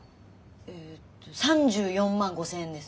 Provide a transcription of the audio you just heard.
えっと３４万５，０００円です。